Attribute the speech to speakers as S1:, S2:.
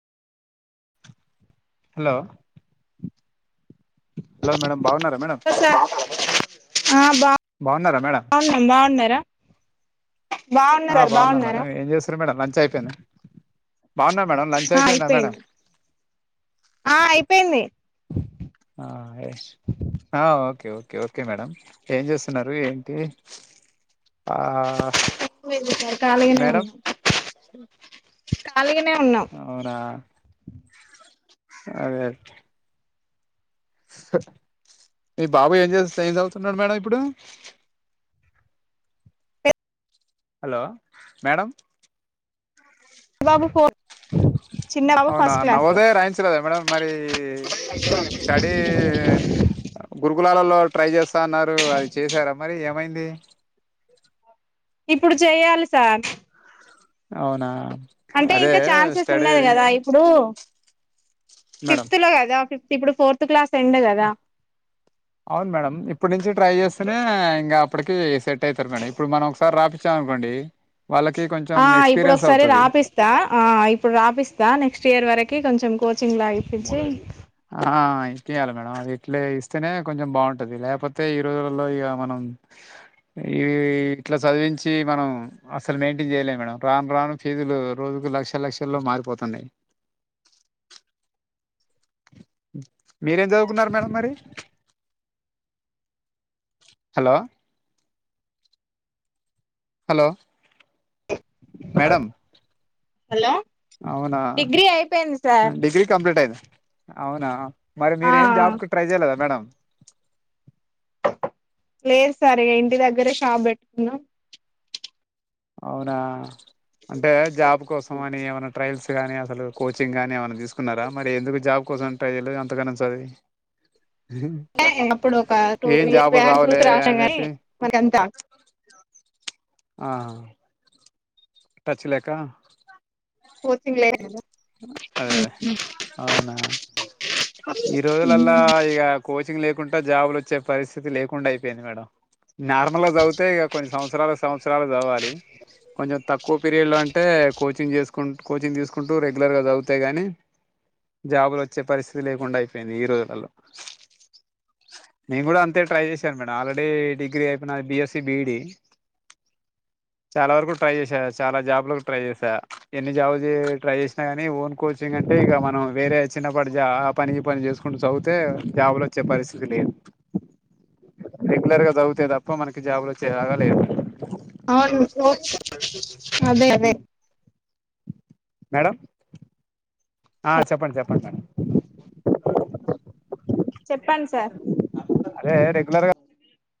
S1: Hello! Hello, madam.
S2: ఆహ్! ఆ,
S1: బాగున్నారా మేడం
S2: బాగున్నం. బాగున్నారా? రా.
S1: ఆ, బాగున్నాను మేడమ్, ఏం చేస్తురు మేడమ్? లంచ్ అయిపోయిందా? బాగున్నా, మేడమ్. లంచ్
S2: ఆ
S1: అయిపోయిందా, మేడమ్?
S2: అయిపోయింది ఆ అయిపోయింది
S1: ఆ, యస్. ఆ, ఓకే, ఓకే, ఓకే మేడమ్. ఏం చేస్తున్నారు? ఏంటి? ఆహ్,
S2: సార్ ఖాళీగానే ఉన్నాం
S1: మేడమ్.
S2: ఖాళీగానే. ఉన్నాం
S1: అవునా? అదే, అదే. హా, మీ బాబు ఏం చేస్ ఏం చదువుతున్నాడు. మేడమ్ ఇప్పుడు?
S2: పెద్ద
S1: హలో, మేడమ్.
S2: మా బాబు ఫోర్త్. చిన్న బాబు
S1: అవునా?
S2: ఫస్ట్ క్లాస్
S1: నవోదయ రాయించలేదా మేడమ్, మరీ? స్టడీ, గురుకులాలలో. ట్రై జేస్తా అన్నారు. అది జేసారా మరి? ఏమైంది?
S2: ఇప్పుడు జేయాలి, సార్?
S1: అవునా?
S2: అంటే
S1: అదే
S2: ఇంకా ఛాన్సెస్
S1: స్టడీ? మేడం
S2: ఫిఫ్త్‌లో గదా? ఫిఫ్త్‌ ఇప్పుడు ఫోర్త్ క్లాస్. ఎండ్ కదా
S1: అవును మేడమ్, ఇప్పటినుంచి ట్రై జేస్తేనే ఇగ అప్పటికి సెట్ అయితది. సెట్ అయితరు మేడమ్, ఇప్పుడు మనం ఒకసారి రాపించామనుకోండి.
S2: ఆహ్, ఇప్పుడు ఒకసారి రాపిస్తా. ఆహ్, ఇప్పుడు రాపిస్తా. నెక్స్ట్ ఇయర్ వరకి కొంచెం కోచింగ్ లాగ్. ఇప్పించి.
S1: ఆహ్, ఇప్పియ్యాలి మేడమ్. అది ఇట్ల ఇస్తేనే కొంచెం బాగుంటది. లేకపోతే ఈ రోజులలో ఇగ మనం. ఉమ్మ్. ఇ ఇట్లా చదివించి మనం అసలు మెయింటైన్ చేయలేం మేడమ్. రాను రాను ఫీజులు రోజు ఇప్పుడు లక్షలు లక్షల్లో మారిపోతున్నయ్. మీరేం చదువుకున్నారు మేడమ్, మరి? హలో! హలో! మేడమ్.
S2: హలో
S1: అవునా?
S2: డిగ్రీ అయిపోయింది సార్
S1: డిగ్రీ కంప్లీట్ అయిందా? అవునా? మరి
S2: ఆ
S1: మీరేం జాబ్‌కి ట్రై చేయలేదా మేడమ్?
S2: లేదు సార్, ఇంటి దగ్గరే షాప్ పెట్టుకున్నా.
S1: అవునా? అంటే జాబ్ కోసం అని ఏమైనా ట్రయల్స్? ఊరికే గానీ, అసలు కోచింగ్ గానీ ఏమైనా తీసుకున్నారా మరి? ఎందుకు జాబ్ కోసం ట్రై చేయలేదు అంతగానం చదివి?
S2: అప్పుడు ఒక టూ
S1: ఏం
S2: ఇయర్స్
S1: జాబులు
S2: బ్యాక్
S1: రావ్ లే
S2: గ్రూప్ రాసాం గాని
S1: అనేసి
S2: మనకంతా
S1: ఆ టచ్ లేక
S2: కోచింగ్ లే గదా
S1: అదే అదే అవునా
S2: కదా
S1: ఈరోజులల్లా ఇగ కోచ్ చింగ్ లేకుండా జాబులు వచ్చే పరిస్థితి లేకుండా అయిపోయింది మేడం నార్మల్ గా చదివితే ఇగ కొన్ని సంవత్స సంవత్స సంవత్సరాలు చదవాలి కొంచెం తక్కువ పీరియడ్ లో అంటే కోచింగ్ జేసుకుంటు కోచింగ్ తీసుకుం టు రెగ్యులర్ గా జదువుతే గాని జాబులు వచ్చే పరిస్థితి లేకుండా అయిపోయింది ఈ రోజులల్లో నేను గూడా అంతే ట్రై చేశాను మేడం ఆల్రెడీ డిగ్రీ అయిపోయిన బిఎస్సి బీఈడి చాలా వరకు ట్రై చేసా చాలా జాబులకు ట్రై చేసా ఎన్ని జాబులు చే ట్రై చేసినా కానీ ఓన్ కోచింగ్ అంటే ఇగ మనం వేరే చిన్నపాటి ఆ పని ఈ పని చేసుకుంటూ చదివితే జాబులు వచ్చే పరిస్థితి లేదు రెగ్యులర్ గా చదివితే తప్ప మనకి జాబ్లు వచ్చే లాగాలేదు
S2: అవును అదే అదే
S1: మేడం ఆ చెప్పండి చెప్పండి మేడం
S2: చెప్పండి సార్
S1: అదే రెగ్యులర్ గా